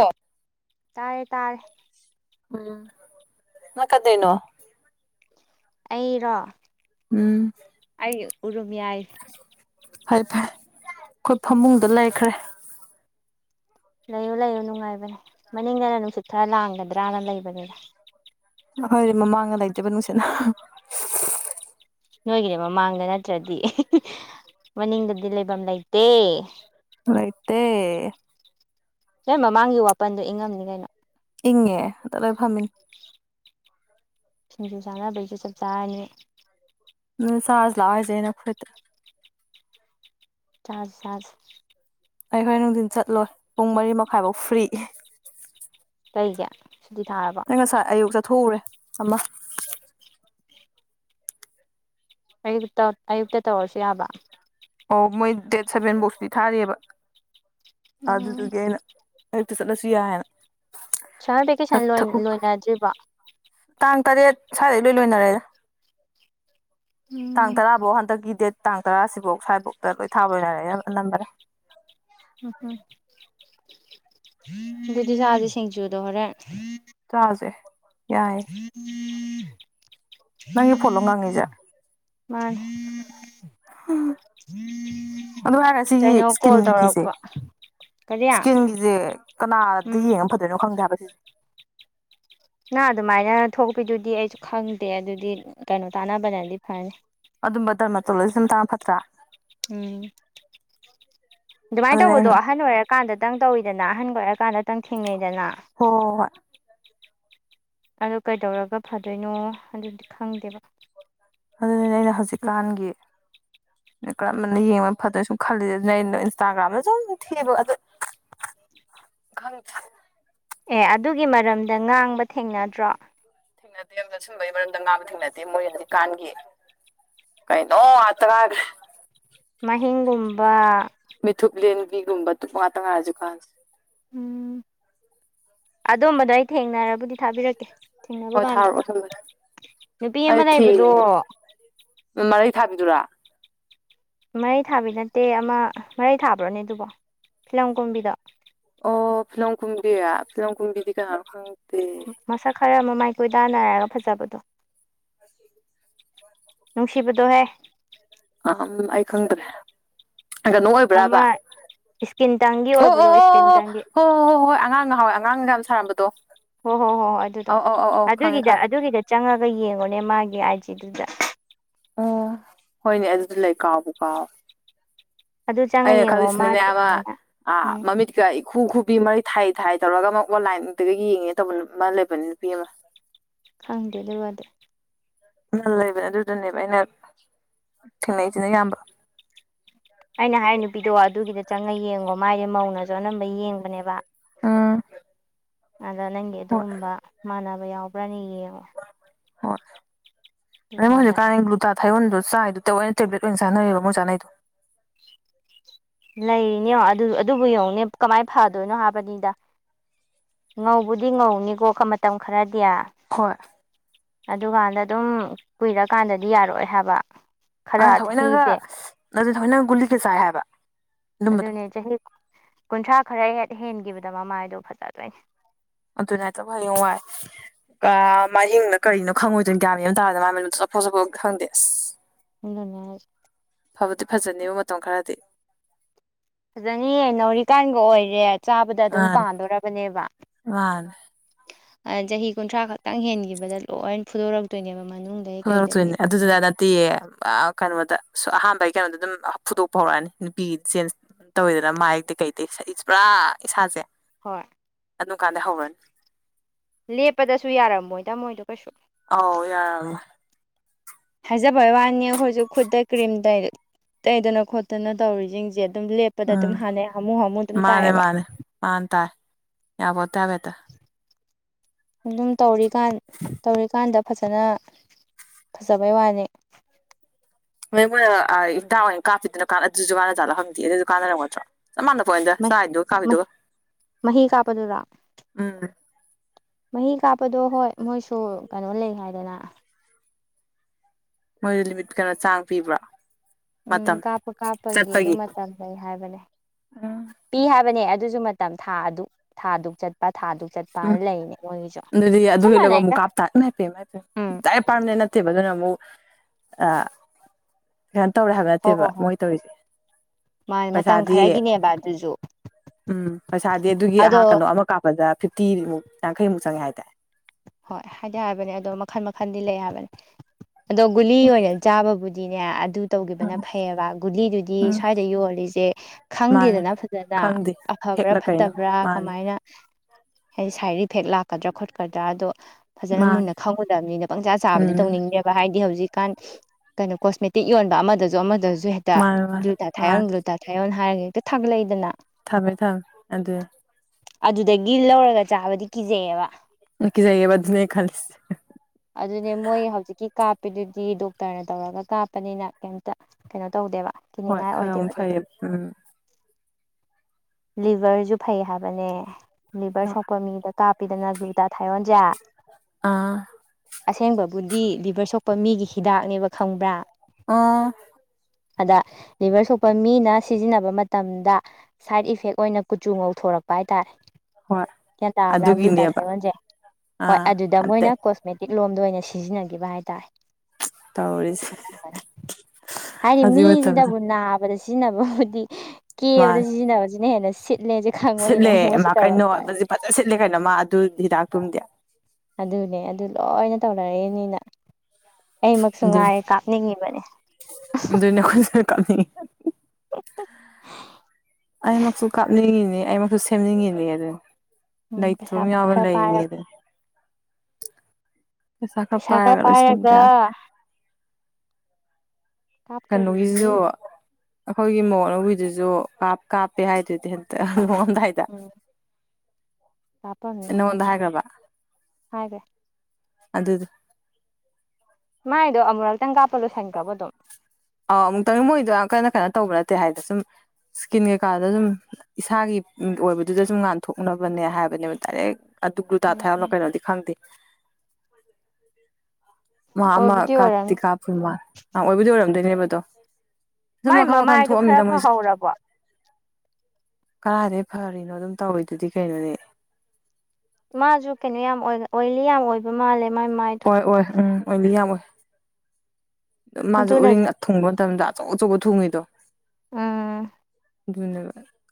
ꯑꯣ ꯇꯥꯏꯌꯦ ꯇꯥꯏꯔꯦ ꯎꯝ ꯃꯥ ꯀꯗꯩꯅꯣ ꯑꯩꯔꯣ ꯎꯝ ꯑꯩ ꯎꯔꯨꯝ ꯌꯥꯏꯔꯤ ꯐꯩ ꯐꯩ ꯈꯣꯏ ꯐꯃꯨꯡꯗ ꯂꯩꯈ꯭ꯔꯦ ꯂꯩꯌꯨ ꯂꯩꯌꯨ ꯅꯨꯡꯉꯥꯏꯕꯅꯦ ꯃꯅꯤꯡꯗꯅ ꯅꯨꯡꯁꯤꯠ ꯈꯔ ꯂꯥꯡꯒꯗ꯭ꯔꯅ ꯂꯩꯕꯅꯤꯗ ꯑꯈꯣꯏꯗꯤ ꯃꯃꯥꯡꯗ ꯂꯩꯇꯦꯕ ꯅꯨꯡꯁꯤꯠꯅ ꯍꯥ ꯍꯥ ꯁꯁ ꯅꯣꯏꯒꯤꯗꯤ ꯃꯃꯥꯡꯗ ꯅꯠꯇ꯭ꯔꯗꯤ ꯑꯦ ꯍꯤ ꯍꯤ ꯃꯅꯤꯡꯗꯗꯤ ꯂꯩ ꯕꯝ ꯂꯩꯇꯦ ꯇꯦ ꯅꯣꯏ ꯃꯃꯥꯡꯒꯤ ꯋꯥꯄꯟꯗꯣ ꯏꯪꯉꯝꯅꯤ ꯀꯩꯅꯣ ꯏꯪꯉꯦ ꯍꯟꯇꯛ ꯂꯣꯏ ꯐꯝꯃꯤꯟ ꯁꯤꯡꯖꯨ ꯆꯥꯅꯕꯩꯖꯨ ꯆꯞ ꯆꯥꯔꯅꯤ ꯑꯗꯨꯅꯦ ꯆꯥꯔꯖꯦ ꯂꯥꯛꯑꯣ ꯍꯥꯏꯖꯦ ꯑꯩꯅ ꯑꯈꯣꯏꯗ ꯆꯥꯖꯤ ꯆꯥꯖꯤ ꯑꯩ ꯍꯣꯔꯦꯟ ꯅꯨꯡꯗꯤꯟ ꯆꯠꯂꯣꯏ ꯄꯨꯡ ꯃꯔꯤ ꯃꯈꯥꯏꯕꯧ ꯐ꯭ꯔꯤ ꯀꯩꯒꯤ ꯁꯨꯇꯤ ꯊꯥꯔꯕꯣ ꯑꯩ ꯉꯁꯥꯏ ꯑꯌꯨꯛ ꯆꯠꯊꯣꯛꯎꯔꯦ ꯑꯃ ꯑꯌꯨꯛꯇ ꯑꯌꯨꯛꯇ ꯇꯧꯔꯁꯨ ꯌꯥꯕ ꯑꯣ ꯃꯣꯏ ꯗꯦꯠ ꯁꯚꯦꯟ ꯕꯣꯛ ꯁꯨꯇꯤ ꯊꯥꯔꯤꯑꯕ ꯎꯝ ꯑꯗꯨꯗꯨꯒꯤ ꯑꯩꯅ ꯑꯌꯨꯛꯇ ꯆꯂꯁꯨ ꯌꯥꯏꯅ ꯁꯃꯔ ꯚꯦꯀꯦꯁꯟ ꯂꯣꯏ ꯂꯣꯏꯅꯗ꯭ꯔꯤꯕꯣ ꯇꯥꯡ ꯇꯔꯦꯠ ꯁ꯭ꯋꯥꯏꯗꯩ ꯂꯣꯏ ꯂꯣꯏꯅꯔꯦꯗ ꯇꯥꯡ ꯎꯝ ꯇꯔꯥꯕꯧ ꯍꯟꯗꯛꯀꯤꯗꯦꯠ ꯇꯥꯡ ꯇꯔꯥꯁꯤꯕꯧ ꯁ꯭ꯋꯥꯏꯕꯨꯛꯇ ꯂꯣꯏ ꯊꯥꯕ ꯂꯣꯏꯅꯔꯦ ꯑꯌꯥꯝ ꯑꯅꯝꯕꯅ ꯍꯨꯝ ꯍꯨꯝ ꯑꯗꯨꯗꯤ ꯆꯥꯖꯤ ꯁꯤꯡꯖꯨꯗꯣ ꯍꯣꯔꯦꯟ ꯆꯥꯖꯦ ꯌꯥꯏꯌꯦ ꯅꯪꯒꯤ ꯐꯣꯜꯂꯣ ꯉꯪꯉꯤꯖꯦ ꯃꯥꯅꯦ ꯍꯍ ꯑꯗꯨ ꯍꯥꯏꯔꯒ ꯁꯤꯒꯤ ꯀꯩꯅꯣ ꯏꯁꯀꯤꯟ ꯀꯣꯜ ꯒꯤꯖꯦ ꯇꯧꯔꯛꯄ ꯀꯔꯤ ꯏꯁꯀꯤꯟꯒꯤꯖꯦ ꯀꯅꯥꯗ ꯎꯝ ꯌꯦꯡꯉ ꯐꯗꯣꯏꯅꯣ ꯈꯪꯗꯦ ꯍꯥꯏꯕ ꯁꯤꯖꯦ ꯅꯪ ꯑꯗꯨꯃꯥꯏꯅ ꯊꯣꯛꯄꯤꯗꯨꯗꯤ ꯑꯩꯁꯨ ꯈꯪꯗꯦ ꯑꯗꯨꯗꯤ ꯀꯩꯅꯣ ꯇꯥꯟꯅꯕꯅꯗꯤ ꯐꯅꯤ ꯑꯗꯨꯝꯕ ꯗꯔꯃꯥꯇꯣꯂꯣꯖꯤꯖ ꯑꯃ ꯇꯥꯟꯅꯕꯅ ꯐꯠꯇ꯭ꯔꯥ ꯎꯝ ꯑꯗꯨꯃꯥꯏꯅ ꯑꯗꯨꯅ ꯇꯧꯕꯗꯣ ꯑꯩꯅ ꯑꯍꯟ ꯑꯣꯏꯔꯀꯥꯟꯗ ꯇꯪ ꯇꯧꯋꯤꯗꯅ ꯑꯍꯟꯒ ꯑꯣꯏꯔꯀꯥꯟꯗꯇꯪ ꯊꯦꯡꯅꯩꯗꯅ ꯍꯣꯏ ꯍꯣꯏ ꯍꯣꯏ ꯑꯗꯣ ꯀꯩꯗꯧꯔꯒ ꯐꯗꯣꯏꯅꯣ ꯑꯗꯨꯗꯤ ꯈꯪꯗꯦꯕ ꯑꯗꯨꯅꯅꯦ ꯑꯩꯅ ꯍꯧꯖꯤꯛꯀꯥꯟꯒꯤ ꯀꯔꯝꯕꯅ ꯌꯦꯡꯕ ꯐꯗꯣꯏꯅꯣ ꯁꯨꯝ ꯈꯜꯂꯤꯖꯦ ꯑꯗꯨꯅ ꯑꯩꯅ ꯏꯟꯁꯇꯥꯒ꯭ꯔꯥꯝꯗ ꯁꯨꯝ ꯊꯤꯕ ꯑꯗꯨ [unintelligible] ꯈꯪꯊꯦ ꯑꯦ ꯑꯗꯨꯒꯤ ꯃꯔꯝꯗ ꯉꯥꯡꯕ ꯊꯦꯡꯅꯗ꯭ꯔꯣ ꯊꯦꯡꯅꯗꯦꯕ ꯁꯨꯝꯕꯩ ꯃꯔꯝꯗ ꯉꯥꯡꯕ ꯊꯦꯡꯅꯗꯦ ꯃꯣꯏ ꯍꯧꯖꯤꯛ ꯀꯥꯟꯒꯤ ꯀꯩ ꯅꯣ ꯉꯥꯇꯥ ꯉꯥꯏꯒ꯭ꯔꯦ ꯃꯥꯏꯍꯤꯡꯒꯨꯝꯕ ꯃꯤꯠꯊꯨꯞ ꯂꯦꯟꯕꯤꯒꯨꯝꯕ ꯑꯗꯨꯒꯨꯝꯕ ꯉꯥꯛꯇ ꯉꯥꯏꯔꯦ ꯍꯧꯖꯤꯛꯀꯥꯟꯖꯦ ꯎꯝ ꯑꯗꯨꯝꯕꯗꯣ ꯑꯩ ꯊꯦꯡꯅꯔ ꯕꯨꯗꯤ ꯊꯥꯕꯤꯔꯛꯀꯦ ꯊꯦꯡꯅꯕ ꯍꯣꯏ ꯀꯥꯟꯗ ꯊꯥꯔꯛꯑꯣ ꯊꯝꯕꯅꯦ ꯅꯨꯄꯤ ꯑꯃ ꯂꯩꯕꯗꯣ ꯎꯝ ꯃꯔꯩ ꯊꯥꯕꯤꯗꯨꯔꯥ ꯃꯔꯩ ꯊꯥꯕꯤ ꯅꯠꯇꯦ ꯑꯃ ꯃꯔꯩ ꯊꯥꯕ꯭ꯔꯣꯅꯦ ꯑꯗꯨꯕꯣ ꯐꯤꯂꯝ ꯀꯨꯝꯕꯤꯗꯣ ꯑꯣ ꯐꯤꯂꯝ ꯀꯨꯝꯕꯤ ꯐꯤꯂꯝ ꯀꯨꯝꯕꯤꯗꯤ ꯀꯥꯅꯥꯅꯣ ꯈꯪꯗꯦ ꯃꯁꯛ ꯈꯔ ꯃꯃꯥꯏ ꯀꯣꯏꯗꯥꯅꯔꯒ ꯐꯖꯕꯗꯣ ꯅꯨꯡꯁꯤꯕꯗꯣꯍꯦ ꯑꯝ ꯑꯩ ꯈꯪꯗ꯭ꯔꯦ ꯀꯩꯅꯣ ꯑꯃ ꯑꯣꯏꯕ꯭ꯔꯥꯕ ꯏꯁꯀꯤꯟ ꯇꯪꯒꯤ ꯑꯣ ꯑꯣꯏꯕꯗꯣ ꯑꯣ ꯑꯣ ꯍꯣ ꯍꯣ ꯏꯁꯀꯤꯟ ꯇꯪꯒꯤ ꯍꯣ ꯍꯣ ꯍꯣꯏ ꯍꯣꯏ ꯑꯉꯥꯡ ꯉꯍꯥꯋꯥꯏ ꯑꯉꯥꯡꯒ ꯌꯥꯝ ꯁꯥꯔꯝꯕꯗꯣ ꯍꯣ ꯍꯣ ꯍꯣ ꯍꯣ ꯑꯗꯨꯗꯣ ꯑꯧ ꯑꯧ ꯑꯧ ꯑꯧ ꯈꯪꯉꯦ ꯑꯗꯨꯒꯤꯗ ꯈꯪꯉꯦ ꯑꯗꯨꯒꯤꯗ ꯆꯪꯉ ꯒ ꯌꯦꯡꯉꯣꯅꯦ ꯃꯥꯒꯤ ꯑꯥꯏꯖꯤꯗꯨꯗ ꯑꯣ ꯍꯣꯏꯅꯦ ꯑꯗꯨꯗꯤ ꯂꯩ ꯀꯥꯎꯕ ꯀꯥꯎ ꯑꯗꯨ ꯆꯪꯉ ꯑꯩꯅ ꯌꯦꯡꯉꯣ ꯈꯜꯂꯤꯁꯤ ꯃꯥꯒꯤ ꯅꯅꯦꯃ ꯑꯗꯨꯃꯥꯏꯅ ꯑ ꯎꯝ ꯃꯃꯤ ꯇ ꯀ ꯈꯨ ꯈꯨꯕꯤ ꯃꯔꯩ ꯊꯥꯏ ꯊꯥꯏ ꯇꯧꯔꯒ ꯑꯃꯨꯛ ꯑꯣꯟꯂꯥꯏꯟꯗꯒꯤ ꯌꯦꯡꯉꯦ ꯇꯧꯕ ꯑꯃ ꯂꯩꯕꯅꯤ ꯅꯨꯄꯤ ꯑꯃ ꯈꯪꯗꯦ ꯑꯗꯨꯒꯗ ꯅ ꯂꯩꯕꯅꯦ ꯑꯗꯨꯗꯨꯅꯦꯕ ꯑꯩꯅ ꯊꯦꯡꯅꯏꯁꯤꯅ ꯑꯌꯥꯝꯕ ꯑꯩꯅ ꯍꯥꯏ ꯅꯨꯄꯤꯗꯣ ꯑꯗꯨꯒꯤꯗ ꯆꯪꯉ ꯌꯦꯡꯉꯣ ꯃꯥꯥꯏꯁꯦ ꯃꯧꯅꯁꯨ ꯑꯅꯝꯕ ꯌꯦꯡꯕꯅꯦꯕ ꯎꯝ ꯑꯗ ꯅꯪꯒꯤ ꯍꯣꯏ ꯑꯗꯨꯒꯨꯝꯕ ꯃꯥꯟꯅꯕ ꯌꯥꯎꯕ꯭ꯔꯅꯦ ꯌꯦꯡꯉꯣ ꯍꯣꯏ ꯑꯃꯣꯏ ꯑꯗꯨꯀꯥꯟꯗ ꯀ ꯂꯨꯇꯥ ꯊꯥꯏꯌꯣꯟꯗꯣ ꯆꯥꯏꯗꯨ ꯇ ꯑꯣꯏꯅꯅ ꯇꯦꯕ꯭ꯂꯦꯠ ꯑꯣꯏꯅ ꯆꯥꯟꯅꯔꯤꯕꯦ ꯃꯣꯏ ꯆꯥꯅꯗꯣ ꯂꯩ ꯅꯦ ꯑꯗꯨꯕꯨ ꯌꯦꯡꯉꯅꯦ ꯀꯃꯥꯏꯅ ꯐꯗꯣꯏꯅꯣ ꯍꯥꯏꯕꯅꯤꯗ ꯉꯧꯕꯗꯤ ꯉꯧꯅꯤꯀꯣꯀ ꯃꯇꯝ ꯈꯔꯗꯤ ꯍꯣꯏ ꯑꯗꯨꯀꯥꯟꯗ ꯑꯗꯨꯝ ꯀꯨꯏꯔꯀꯥꯟꯗꯗꯤ ꯌꯥꯔꯣꯏꯣꯏ ꯍꯥꯏꯕ ꯑ ꯈꯔ ꯊꯑꯣꯏꯅꯒ ꯆꯍꯤꯁꯦ ꯑꯗꯨ ꯊꯑꯣꯏꯅꯒ ꯒꯨꯂꯤꯒꯩ ꯆꯥꯏ ꯍꯥꯏꯕ ꯑꯗꯨꯝꯕꯗꯣ ꯑꯗꯨꯅꯦ ꯆꯍꯤ ꯀꯨꯟꯊ꯭ꯔꯥ ꯈꯔ ꯍꯦ ꯍꯦꯟꯈꯤꯕꯗ ꯃꯃꯥꯏꯗꯣ ꯐꯖꯗꯣꯏꯅꯦ ꯑꯗꯨ ꯑꯗꯨꯅ ꯆ ꯌꯡꯏ ꯀ ꯃꯥꯤꯡꯅ ꯀꯔꯤꯅꯣ ꯈꯪꯉꯣꯏꯗꯣꯏꯅꯣ ꯀꯌꯥꯃꯤꯕ ꯇꯥꯔꯗ ꯃꯥ ꯃꯝ ꯆꯐꯣꯠ ꯆꯠꯐꯣ ꯑꯝꯇ ꯈꯪꯗꯦ ꯑꯁ ꯏꯅꯅꯦ ꯐꯕꯗꯤ ꯐꯖꯅꯦꯕ ꯃꯇꯝ ꯈꯔꯗꯤ ꯐꯖꯅꯤ ꯅꯥꯎꯔꯤꯀꯥꯟꯒ ꯑꯣꯏꯔꯦ ꯆꯥꯕꯗ ꯑꯗꯨꯝ ꯃꯥꯅꯦ ꯄꯥꯗꯣꯔꯕꯅꯦꯕ ꯃꯥꯅꯦ ꯆꯍꯤ ꯀꯨꯟꯊ꯭ꯔꯥ ꯈꯛꯇꯪ ꯍꯦꯟꯈꯤꯕꯗ ꯂꯣꯏꯅ ꯐꯨꯗꯣꯔꯛꯇꯣꯏꯅꯦꯕ ꯃꯅꯨꯡꯗꯒꯤ ꯍ ꯀꯩꯗꯒꯤ ꯊꯣꯏꯅꯦ ꯑꯗꯨꯗꯨꯗ ꯅꯠꯇꯤꯦ ꯀꯩꯅꯣꯗ ꯑꯍꯥꯟꯕꯒꯤ ꯀꯩꯅꯣꯗ ꯑꯗꯨꯝ ꯐꯨꯗꯣꯛꯄ ꯍꯧꯔꯛꯑꯅꯤ ꯅꯨꯄꯤ ꯖꯦꯟꯁ ꯇꯧꯋꯤꯗꯅ ꯃꯥꯏꯗꯩꯩ ꯀꯩꯗ ꯄꯨꯔꯥ ꯏꯁꯥꯁꯦ ꯍꯣꯏ ꯑꯗꯨꯝ ꯀꯥꯟꯗ ꯍꯧꯔꯅꯤ ꯂꯦꯞꯄꯗꯁꯨ ꯌꯥꯔꯝꯃꯣꯏꯗꯥ ꯃꯣꯏꯗꯣ ꯀꯩꯁꯨ ꯑꯧ ꯌꯥꯔꯝꯃꯣꯏ ꯍꯥꯏꯖꯕꯩ ꯋꯥꯅꯤ ꯑꯩꯈꯣꯏꯁꯨ ꯈꯨꯠꯇ ꯀ꯭ꯔꯤꯝ ꯇꯩꯗꯅ ꯈꯣꯠꯇꯅ ꯇꯧꯔꯤꯁꯤꯡꯁꯦ ꯑꯗꯨꯝ ꯂꯦꯞꯄꯗ ꯑꯗꯨꯝ ꯎꯝ ꯍꯥꯟꯅꯩ ꯍꯥꯃꯨ ꯍꯥꯃꯨ ꯑꯗꯨꯝ ꯇꯥꯏꯑꯌꯦꯕ ꯌꯥꯕꯠꯇꯕꯦꯠꯇ ꯑꯗꯨꯝ ꯇꯧꯔꯤꯀꯥꯟ ꯇꯧꯔꯤꯀꯥꯟꯗ ꯐꯖꯅ ꯐꯖꯕꯩ ꯋꯥꯅꯦ ꯅꯣꯏ ꯃꯣꯏꯅ ꯍꯤꯗꯥꯛ ꯑꯣꯏꯅ ꯀꯥꯞꯄꯤꯗꯨꯅ ꯀꯥꯟ ꯑꯗꯨꯁꯨ ꯀꯥꯟꯅ ꯖꯠꯂ ꯈꯪꯗꯤꯌꯦ ꯑꯗꯨꯁꯨ ꯀꯥꯟꯅꯔꯝ ꯅꯠꯇ꯭ꯔꯣ ꯆꯞ ꯃꯥꯟꯅꯅꯕ ꯄꯣꯟꯗ ꯆꯥꯔꯤꯗꯨꯒ ꯃꯍꯤ ꯀꯥꯄꯤꯗꯨꯒ ꯃꯍꯤ ꯀꯥꯞꯄꯕꯗꯨꯔ ꯃꯍꯤ ꯀꯥꯞꯄꯗꯣ ꯍꯣꯏ ꯃꯣꯏꯁꯨ ꯀꯩꯅꯣ ꯂꯩ ꯍꯥꯏꯗꯅ ꯃꯣꯏꯗ ꯂꯤꯃꯤꯠ ꯀꯩꯅꯣ ꯆꯥꯡ ꯄꯤꯕ꯭ꯔꯥ ꯎꯝ ꯀꯥꯞꯄ ꯀꯥꯞꯄꯒꯤ ꯑꯗꯨ ꯃꯇꯝ ꯂꯩ ꯍꯥꯏꯕꯅꯦ ꯎꯝ ꯄꯤ ꯍꯥꯏꯕꯅꯦ ꯑꯗꯨꯁꯨ ꯃꯇꯝ ꯊꯥ ꯑꯗꯨ ꯊꯥ ꯑꯗꯨ ꯆꯠꯄ ꯊꯥꯗꯨꯛ ꯆꯠꯄꯅ ꯂꯩꯅꯦ ꯃꯣꯏꯒꯤꯁꯨ ꯎ ꯆꯞ ꯑꯗꯨꯨꯏ ꯂ ꯃꯨ ꯃꯥꯟꯅꯩꯗ ꯀꯥ ꯇ ꯄ ꯎꯝ ꯇ ꯄ ꯠꯇꯦꯕ ꯑꯗꯨꯅ ꯑꯃꯨꯛ ꯑ ꯀꯩꯩꯅꯣ ꯇꯧꯔꯦ ꯍꯥꯏꯕ ꯍꯣꯏ ꯅꯠꯇꯦꯕ ꯍꯣꯏ ꯍꯣꯏ ꯃꯣꯏ ꯇꯧꯔꯤꯁꯦ ꯃꯥꯅꯦ ꯃꯇꯝ ꯄꯩꯁꯥꯗꯤ ꯈꯔꯒꯤꯅꯦꯕ ꯑꯗꯨꯁꯨ ꯎꯝ ꯄꯩꯁꯥꯗꯤ ꯑꯗꯨꯒꯤ ꯑꯍꯥ ꯑꯗꯣ ꯀꯩꯅꯣ ꯑꯃ ꯀꯥꯞꯄꯗꯤ ꯃꯨꯛ ꯌꯥꯡꯈꯩꯃꯨꯛ ꯆꯪꯉꯦ ꯍꯥꯏꯇꯥꯔꯦ ꯍꯣꯏ ꯍꯥꯏꯗꯤ ꯍꯥꯏꯕꯅꯤ ꯑꯗꯣ ꯃꯈꯜ ꯃꯈꯟꯗꯤ ꯂꯩ ꯍꯥꯏꯕꯅꯦ ꯑꯗꯣ ꯒꯨꯂꯤ ꯑꯣꯏꯅ ꯆꯥꯕꯕꯨꯗꯤ ꯑꯗꯨꯅꯦ ꯑꯗꯨ ꯇꯧꯈꯤꯕꯅ ꯐꯩꯌꯦꯕ ꯒꯨꯂꯤꯗꯨꯗꯤ ꯎꯝ ꯁ꯭ꯋꯥꯏꯗ ꯌꯣꯜꯂꯤꯁꯦ ꯃꯥꯅꯦ ꯈꯪꯗꯦꯗꯅ ꯐꯖꯅ ꯈꯪꯗꯦ ꯑꯐ ꯐꯠꯇꯕ꯭ꯔꯥ ꯐꯦꯛꯂ ꯀꯩꯅꯣ ꯐꯠꯇꯕ꯭ꯔꯥ ꯃꯥꯅꯤ ꯀꯃꯥꯏꯅ ꯍꯥꯏꯗꯤ ꯁꯥꯏꯠ ꯏꯐꯦꯛ ꯂꯥꯛꯀꯗ꯭ꯔꯥ ꯈꯣꯠꯀꯗ꯭ꯔꯥ ꯑꯗꯣ ꯐꯖꯅ ꯃꯥꯅꯦ ꯃꯨꯟꯅ ꯈꯪꯒꯗꯕꯅꯤꯅ ꯄꯪꯆꯥ ꯆꯥꯕꯗꯤ ꯎꯝ ꯇꯧꯅꯤꯡꯗꯦꯕ ꯍꯥꯏꯗꯤ ꯍꯧꯖꯤꯛ ꯀꯥꯟ ꯀꯩꯅꯣ ꯀꯣꯁꯃꯦꯇꯤꯛ ꯌꯣꯟꯕ ꯑꯃꯗꯁꯨ ꯑꯃꯗ ꯑꯗꯨꯨ ꯍꯦꯛꯇ ꯃꯥꯅꯦ ꯃꯥꯅꯦ ꯒ꯭ꯂꯨꯇꯥꯥ ꯊꯥꯏꯌꯣ ꯃꯥꯅꯦ ꯒ꯭ꯂꯨꯇꯥ ꯊꯥꯏꯌꯣꯅ ꯍꯥꯏꯔꯒ ꯍꯦꯛꯇ ꯊꯒꯠꯛꯏꯗꯅ ꯊꯝꯃꯦ ꯊꯝꯃꯦ ꯑꯗꯨ ꯑꯗꯨꯗꯒꯤ ꯂꯧꯔꯒ ꯆꯥꯕꯗꯤ ꯀꯤꯖꯩꯑꯕ ꯀꯤꯖꯩꯌꯦꯕ ꯑꯗꯨꯅꯦ ꯑꯩ ꯈꯜꯂꯤꯁꯦ ꯑꯗꯨꯅꯦ ꯃꯣꯏ ꯍꯧꯖꯤꯛꯀꯤ ꯀꯥꯞꯄꯤꯗꯨꯗꯤ ꯗꯣꯛꯇꯔꯅ ꯇꯧꯔꯒ ꯀꯥꯞꯄꯅꯤꯅ ꯀꯩꯝꯇ ꯀꯩꯅꯣ ꯇꯧꯗꯦꯕ ꯍꯣꯏ ꯀꯤꯅꯤꯡꯉꯥꯏ ꯈꯔ ꯑꯣꯏꯗꯦꯕ ꯑꯃꯨꯛ ꯑꯗꯨꯗꯤ ꯐꯩꯌꯦꯕ ꯎꯝ ꯂꯤꯚꯔꯁꯨ ꯐꯩ ꯍꯥꯏꯕꯅꯦ ꯂꯤꯚꯔ ꯍꯣꯏ ꯁꯣꯛꯄ ꯃꯤꯗ ꯀꯥꯞꯄꯤꯗꯅ ꯒ꯭ꯂꯨꯇꯥ ꯊꯥꯏꯌꯣꯟꯁꯦ ꯑꯥ ꯑꯁꯦꯡꯕꯕꯨꯗꯤ ꯂꯤꯚꯔ ꯁꯣꯛꯄ ꯃꯤꯒꯤ ꯍꯤꯗꯥꯛꯅꯦꯕ ꯈꯪꯕ꯭ꯔꯥ ꯑꯥ ꯑꯗ ꯂꯤꯚꯔ ꯁꯣꯛꯄ ꯃꯤꯅ ꯁꯤꯖꯤꯟꯅꯕ ꯃꯇꯝꯗ ꯁꯥꯏꯠ ꯏꯐꯦꯛ ꯑꯣꯏꯅ ꯀꯨꯆꯨ ꯉꯧꯊꯣꯔꯛꯄ ꯍꯥꯏꯇꯥꯔꯦ ꯍꯣꯏ ꯀ꯭ꯌꯥꯟ ꯇꯥꯕ꯭ꯔꯥ ꯂꯨꯇꯥ ꯑꯗꯨꯒꯤꯅꯦꯕ ꯊꯥꯏꯌꯣꯟꯁꯦ ꯍꯣꯏ ꯑꯥ ꯑꯗꯨꯗ ꯑꯠꯇꯦ ꯃꯣꯏꯅ ꯀꯣꯁꯃꯦꯇꯤꯛ ꯂꯣꯝ ꯂꯣꯏꯅ ꯁꯤꯖꯤꯟꯅꯈꯤꯕ ꯍꯥꯏꯇꯥꯔꯦ ꯇꯧꯔꯤꯁꯦ ꯍꯥꯏꯗꯤ ꯍꯧꯖꯤꯛ ꯃꯇꯝꯁꯦ ꯃꯤꯁꯤꯅꯕꯨ ꯅꯥꯕꯗ ꯁꯤꯖꯤꯟꯅꯕꯕꯨꯗꯤ ꯀꯦꯕꯗ ꯃꯥꯅꯦ ꯅꯦꯁꯤ ꯁꯤꯠꯂꯦ ꯃꯥ ꯀꯩꯅꯣ ꯐꯖꯅ ꯁꯤꯠꯂꯦ ꯀꯩꯅꯣ ꯃꯥ ꯑꯗꯨꯗꯤ ꯍꯤꯗꯥꯛ ꯇꯨꯝꯗꯦ ꯑꯗꯨꯅꯦ ꯑꯗꯨ ꯂꯣꯏꯅ ꯇꯧꯅꯔꯛꯑꯦꯅꯤꯅ ꯑꯩꯃꯛꯁꯨ ꯑꯗꯨ ꯉꯥꯏꯔꯦ ꯀꯥꯞꯅꯤꯡꯉꯤꯕꯅꯤ ꯀꯅꯤ ꯑꯩꯃꯛꯁꯨ ꯀꯥꯞꯅꯤꯡꯉꯤꯅꯤ ꯑꯩꯃꯛꯁꯨ ꯁꯦꯝꯅꯤꯡꯉꯤꯅꯤ ꯑꯗꯨ ꯎꯝ ꯄꯩꯁꯥ ꯂꯩꯇꯝ ꯌꯥꯎꯕ ꯈꯔ ꯄꯥꯏꯔ ꯂꯩꯅꯤꯗ ꯄꯩꯁꯥ ꯈꯔ ꯄꯒꯣꯏꯁꯤꯗ ꯀꯥꯞꯇꯣꯔꯤꯔꯤꯕ ꯃꯤ [unintelligible] ꯑꯩꯈꯣꯏꯒꯤ ꯃꯣꯟꯅꯕꯤꯗꯨꯁꯨꯥꯞ ꯀꯥꯞꯄꯦ ꯍꯥꯏꯗꯨꯗꯤ ꯍꯟꯇ ꯂꯨꯑꯝꯗꯥꯏꯗ ꯎꯝ ꯅꯉꯗ ꯍꯥꯏ ꯀꯕ ꯍꯥꯏ ꯔꯦ ꯑꯗꯨꯗꯗꯤ ꯃꯥꯏꯗꯣ ꯑꯃꯨꯔꯛꯇꯪ ꯀꯥꯞꯄ ꯂꯣꯏꯁꯤꯟꯈ꯭ꯔꯕ ꯑꯗꯨꯝ ꯑ ꯑꯃꯨꯛꯇꯪ ꯃꯣꯏꯗꯣ ꯌꯥꯝ ꯀꯟꯅ ꯀꯟꯅꯣ ꯇꯧꯕ ꯅꯠꯇꯦ ꯍꯥꯏꯗꯤ ꯁꯨꯝ ꯏꯁꯀꯤꯟ ꯀꯩꯀꯥꯗ ꯁꯨꯝ ꯏꯁꯥꯒꯤ ꯑꯣꯏꯕꯗꯨꯗ ꯁꯨꯝ ꯉꯥꯟꯊꯣꯛꯅꯕꯅꯦ ꯍꯥꯏꯕꯅꯦꯕ ꯗꯥꯏꯔꯦꯛ ꯑꯗꯨ ꯒꯨꯇꯥ ꯎꯝ ꯊꯌꯥꯝꯅ ꯎꯝ ꯀꯩꯅꯣꯗꯤ ꯈꯪꯗꯦ ꯃꯥ ꯑꯃ ꯑꯣꯏꯕꯨꯗꯤ ꯀꯥ ꯑꯣꯏꯔꯝꯅꯤ ꯇꯤꯀꯥ ꯐꯨꯟꯃꯜ ꯑ ꯑꯣꯏꯕꯨꯗꯤ ꯑꯣꯏꯔꯝꯗꯣꯏꯅꯦꯕ ꯑꯗꯣ ꯑ ꯃꯥꯏ ꯃꯈꯜ ꯃꯈꯥ ꯃꯃꯥꯏꯗꯣ ꯊꯣꯛꯑꯝꯃꯤꯗ ꯈꯔ ꯃꯣꯏꯁꯦ ꯐꯍꯧꯔꯕꯣ ꯀꯗꯥꯥꯏꯗꯒꯤꯩ ꯐꯔꯤꯅꯣ ꯑꯗꯨꯝ ꯇꯧꯔꯤꯤꯗꯨꯗꯤ ꯀꯩꯅꯣꯅꯦ ꯃꯥꯁꯨ ꯀꯩꯅꯣ ꯌꯥꯝ ꯑꯣꯏꯂꯤ ꯌꯥꯝ ꯑꯣꯏꯕ ꯃꯥꯜꯂꯦ ꯃꯥꯏ ꯃꯥꯏꯗꯣ ꯍꯣꯏ ꯑꯣꯏ ꯎꯝ ꯑꯣꯏꯗꯤ ꯌꯥꯝ ꯑꯣꯏ ꯃꯥꯁꯨ ꯎꯔꯤꯡ ꯑꯗꯨꯅꯁꯨ ꯊꯨꯡꯕ ꯃꯇꯝꯗ ꯑꯆ ꯑ ꯆꯧꯕ ꯊꯣꯡꯉꯗꯣ ꯎꯝ ꯑꯗꯨꯅꯦ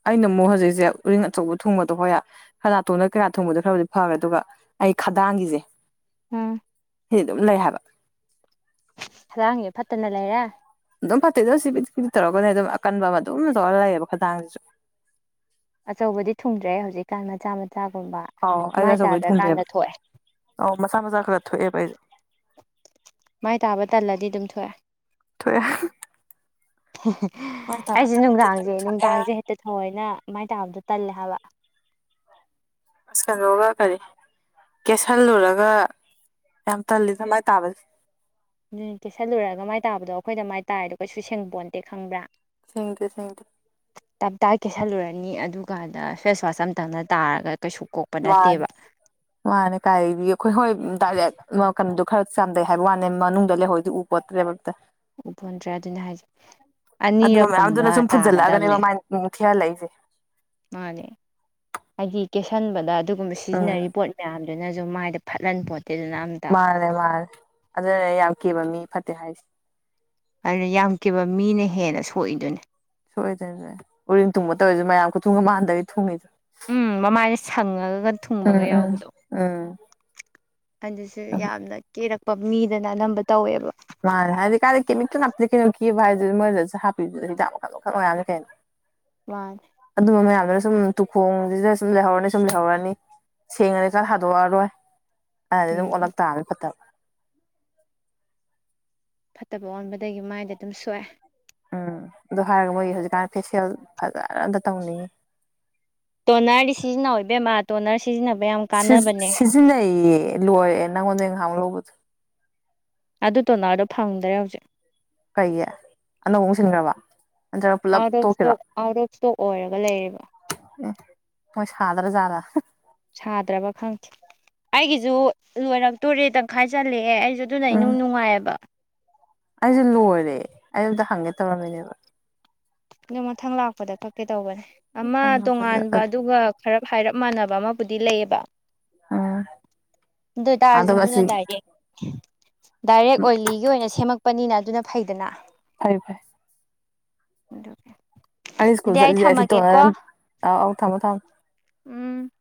ꯑꯩꯅ ꯑꯃꯨꯛ ꯍꯧꯖꯤꯛꯁꯦ ꯎꯔꯤꯡ ꯑꯆꯧꯕ ꯊꯣꯡꯕꯗꯣ ꯍꯣꯏ ꯈꯔ ꯅꯥꯇꯣꯡꯅ ꯀꯌꯥ ꯊꯣꯡꯕꯗꯣ ꯈꯔꯕꯨꯗꯤ ꯐ ꯑꯗꯨꯒ ꯑꯩ ꯈꯗꯥꯡꯒꯤꯁꯦ ꯎꯝ ꯁꯤꯗꯤ ꯑꯗꯨꯝ ꯂꯩ ꯍꯥꯏꯕ ꯍꯆꯥꯡꯁꯦ ꯐꯠꯇꯅ ꯂꯩꯔꯦ ꯑꯗꯨꯝ ꯐꯠꯇꯦꯗꯣ ꯁꯤ ꯄꯤꯗꯤ ꯄꯤꯗꯤꯛ ꯇꯧꯔꯛꯒꯅꯦ ꯑꯗꯨꯝ ꯑꯀꯟꯕ ꯑꯃ ꯑꯗꯨꯝ ꯇꯧꯔꯒ ꯂꯩꯌꯦꯦꯕ ꯈꯨꯊꯥꯡꯁꯤꯁꯨ ꯑꯆꯧꯕꯗꯤ ꯊꯨꯡꯗ꯭ꯔꯦ ꯍꯧꯖꯤꯛꯀꯥꯟ ꯃꯆꯥ ꯃꯆꯥꯒꯨꯝꯕ ꯃꯥꯏ ꯇꯥꯗ꯭ꯔꯀꯥꯟꯗ ꯊꯣꯛꯑꯦ ꯑ ꯃꯁꯥ ꯃꯆꯥꯥ ꯈ ꯊ ꯄꯥꯏꯦ ꯃꯥꯏ ꯇꯥꯕ ꯇꯜꯂꯗꯤ ꯑꯗꯨꯝ ꯊꯣꯛꯑꯦ ꯊꯣꯛꯑꯦ ꯃꯥꯏ ꯇꯥꯕ ꯑꯩꯁꯦ ꯇꯜꯂꯗꯤ ꯑꯗꯨꯝ ꯅꯨꯡꯗꯥꯡꯁꯦ ꯊꯣꯛꯑꯦ ꯅꯨꯡꯗꯥꯡꯁꯦ ꯍꯦꯛꯇ ꯊꯑꯣꯏꯅ ꯃꯃꯥꯏꯅ ꯇꯥꯕꯗ ꯇꯜꯍ ꯁꯀꯗꯣꯒ ꯈꯔꯦ ꯀꯦꯁꯤꯜꯂꯨꯔꯒ ꯌꯥꯝ ꯇꯜꯂꯤ ꯑꯗꯨꯃꯥꯏꯅ ꯇꯥꯕꯁꯦ ꯀꯦꯤꯁꯜꯂꯨꯔꯒ ꯃꯥꯏ ꯇꯥꯗꯣ ꯑꯩꯈꯣꯏꯗ ꯃꯥꯏ ꯇꯥꯔꯤꯗꯣ ꯀꯩꯁꯨ ꯁꯦꯡꯕꯣꯟꯇꯦ ꯈꯪꯕ꯭ꯔꯥ ꯁꯪꯗ ꯁꯪꯗ ꯇꯞ ꯇꯥꯏ ꯀꯦꯁꯜꯂꯨꯔꯅꯤ ꯑꯗꯨꯀꯥꯟꯗ ꯐꯦꯁꯋꯥꯁ ꯑꯝꯇꯪꯅ ꯇꯥꯔꯒ ꯀꯩꯁꯨ ꯀꯣꯛꯄ ꯅꯠꯇꯦꯕ ꯃꯥꯅꯤ ꯃꯥꯅꯦ ꯀꯥꯏꯕꯤ ꯑꯩꯈꯣꯏ ꯍꯣꯏꯩꯅ ꯈꯔ ꯆꯥꯝꯗꯩ ꯍꯥꯏꯕ ꯋꯥꯅꯦ ꯃꯅꯨꯡꯗ ꯂꯩꯍꯧꯗꯤ ꯎ ꯄꯣꯠꯇ꯭ꯔꯦꯕ ꯎꯄꯣꯟꯇ꯭ꯔꯦ ꯑꯗꯨꯅꯦ ꯍꯥꯏꯁꯦ ꯑꯗꯨꯒ ꯃꯌꯥꯝꯗꯨꯅ ꯑꯅꯤꯔꯛꯀꯨꯝꯕ ꯁꯨꯝ ꯐꯨꯖꯜꯂꯛꯑꯒꯅꯦ ꯇꯥꯒꯗꯕꯅꯦ ꯃꯃꯥꯏ ꯊꯤꯌꯥ ꯂꯩꯁꯦ ꯃꯥꯅꯦ ꯍꯥꯏꯗꯤ ꯀꯦꯁꯤꯟꯕꯗ ꯑꯗꯨꯒꯨꯝꯕ ꯎꯝ ꯁꯤꯖꯤꯟꯅꯔꯤꯕ ꯄꯣꯠ ꯃꯌꯥꯝꯅꯦ ꯑꯗꯨꯅꯁꯨ ꯃꯥꯏꯗ ꯐꯠꯍꯟ ꯄꯣꯠ ꯃꯥꯂꯦ ꯃꯥꯂꯦ ꯑꯗꯨꯅꯦ ꯌꯥꯝ ꯀꯤꯕ ꯃꯤ ꯐꯠꯇꯦ ꯍꯥꯏꯁꯦ ꯑꯗꯨꯅ ꯌꯥꯝꯈꯤꯕ ꯃꯤꯅ ꯍꯦꯟꯅ ꯁꯣꯛꯏꯗꯨꯅꯤ ꯁꯣꯏꯗꯣꯏꯁꯦ ꯎꯔꯤꯜ ꯊꯨꯝꯕ ꯇꯧꯔꯤꯁꯨꯦ ꯃꯌꯥꯝ ꯈꯨꯊ ꯊꯨꯡꯒ ꯃꯥꯟꯗꯗꯒꯤ ꯊꯨꯡꯉꯤꯗ ꯎꯝ ꯃꯃꯥꯏꯅ ꯁꯪꯉꯜ ꯊꯨꯡꯕꯒ ꯎꯝ ꯎꯝ ꯌꯥꯎꯕꯗꯣ ꯎꯝ ꯑꯗꯨꯁꯨ ꯌꯥꯝ ꯀ ꯃꯤꯗꯅ ꯑꯅꯝꯕ ꯇꯧꯋꯦꯕ ꯃꯥꯅꯦ ꯍꯥꯏꯗꯤ ꯀꯥꯏꯦ ꯀꯦꯃꯤꯛꯇꯦꯜ ꯅꯞꯇꯦ ꯀꯩꯅꯣ ꯀꯤꯕ ꯍꯥꯏꯁꯤꯗꯤ ꯃꯣꯏꯗꯁꯨ ꯍꯥꯞꯄꯤꯕꯗꯨꯗ ꯌꯥꯝ ꯃꯈꯜ ꯃꯈꯜ ꯑꯣꯏꯔꯅꯤ ꯀꯩꯅꯣ ꯃꯥꯅꯦ ꯑꯗꯨ ꯃ ꯃꯌꯥꯝꯌꯥꯝ ꯑꯗꯨꯅ ꯁꯨꯝ ꯇꯨꯈꯣꯡꯁꯤꯗ ꯁꯨꯝ ꯂꯩꯍꯧꯔꯅꯤ ꯁꯨꯝ ꯂꯩꯍꯧꯔꯅꯤ ꯁꯦꯡꯉꯅꯤ ꯈꯔ ꯍꯥꯗꯣꯛꯑꯔꯣꯏ ꯑ ꯑꯗꯨꯝ ꯎꯝ ꯑꯣꯂꯛꯇ ꯇꯥꯕ ꯄꯠꯇ ꯐꯠꯇꯕ ꯑꯣꯟꯕꯗꯒꯤ ꯃꯥꯏꯗ ꯑꯗꯨꯝ ꯁꯣꯛꯑꯦ ꯎꯝ ꯑꯗꯨ ꯍꯥꯏꯔꯒ ꯃꯣꯏꯒꯤ ꯍꯧꯖꯤꯛꯀꯥꯟ ꯐꯦꯁꯤꯌꯦꯜ ꯐꯖꯅꯗ ꯇꯧꯅꯤꯡꯉꯤ ꯇꯣꯅꯔꯗꯤ ꯁꯤꯖꯤꯟꯅ ꯑꯣꯏꯕꯦꯝꯃ ꯇꯣꯅꯔꯁ ꯁꯤꯖꯤꯟꯅꯩꯌꯦ ꯂꯣꯏꯔꯦ ꯅꯪꯉꯣꯟꯗ ꯏꯪꯍꯥꯡ ꯂꯧꯕꯗ ꯑꯗꯨ ꯇꯣꯅꯗꯣ ꯐꯪꯗ꯭ꯔꯦ ꯍꯧꯖꯤꯛ ꯀꯩꯒꯤ ꯑꯅꯧꯕ ꯁꯤꯟꯈ꯭ꯔꯕ ꯅꯠꯇ꯭ꯔꯒ ꯄꯨꯂꯞ ꯑꯥꯎꯠ ꯑꯣꯐ ꯇꯣꯛꯈꯤꯔꯣ ꯏꯁꯇꯣꯛ ꯑꯥꯎꯠ ꯑꯣꯐ ꯏꯁꯇꯣꯛ ꯑꯣꯏꯔꯒ ꯂꯩꯔꯤꯕ ꯑꯦ ꯃꯣꯏ ꯁꯥꯗ꯭ꯔ ꯗ ꯁꯥꯗ꯭ꯔꯕ ꯈꯪꯗꯦ ꯑꯩꯒꯤꯁꯨ ꯂꯣꯏꯔꯛꯇꯣꯔꯦ ꯇꯪꯈꯥꯏꯖꯤꯜꯂꯛꯑꯦ ꯑꯩꯁꯨ ꯁꯤ ꯑꯗꯨꯅ ꯏꯅꯨꯡ ꯅꯨꯡꯉꯥꯏꯑꯕ ꯑꯩꯁꯦ ꯂꯣꯏꯔꯦ ꯑꯩ ꯑꯗꯨꯝꯗ ꯍꯪꯒꯦ ꯇꯧꯔꯝꯃꯤꯅꯦꯕ ꯑꯗꯨ ꯃꯊꯪ ꯂꯥꯛꯄꯗꯀꯩ ꯇꯧꯕꯅꯦ ꯑꯃ ꯎꯝ ꯇꯣꯉꯥꯟꯕ ꯑꯗꯨꯒ ꯈꯔꯞ ꯍꯥꯏꯔꯞ ꯃꯥꯟꯅꯕ ꯑꯃꯕꯨꯗꯤ ꯂꯩꯌꯦꯕ ꯗꯣꯏꯇꯥ ꯑꯗꯨꯒ ꯑꯁꯤ ꯑꯔꯖꯨꯟꯗꯨꯅ ꯗꯥꯏꯔꯦꯛ ꯗꯥꯏꯔꯦꯛ ꯑꯣꯏꯂꯤꯒꯤ ꯑꯣꯏꯅ ꯁꯦꯝꯃꯛꯄꯅꯤꯅ ꯑꯗꯨꯅ ꯐꯩꯗꯅ ꯐꯥꯏ ꯐꯥꯏ ꯏꯗꯨꯀ ꯑꯅꯤ ꯁ꯭ꯀꯨꯜ ꯆꯠꯂꯤꯁꯤ ꯇ ꯅꯔꯝ ꯊꯥꯎ ꯑꯥꯎ ꯊꯃꯣ ꯊꯝꯃ ꯎꯝ